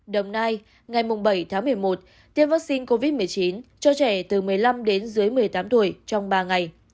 đồng nai ngày bảy tháng một mươi một tiêm vaccine covid một mươi chín cho trẻ từ một mươi năm đến dưới một mươi tám tuổi trong ba ngày